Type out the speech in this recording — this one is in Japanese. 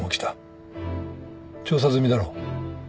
調査済みだろ？